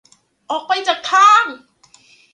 ออกไปจากทาง